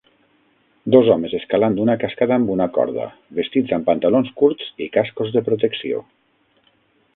Dos homes escalant una cascada amb una corda, vestits amb pantalons curts i cascos de protecció.